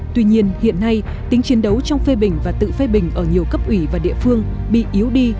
tuy nhiên hiện nay tính chiến đấu trong phê bình và tự phê bình ở nhiều cấp ủy và địa phương bị yếu đi